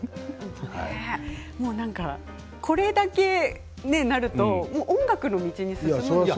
これだけになると音楽の道に進むのかなと。